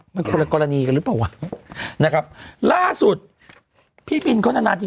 มันคนละกรณีกันหรือเปล่าวะนะครับล่าสุดพี่บินเขานานาที